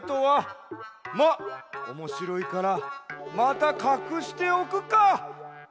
まっおもしろいからまたかくしておくか！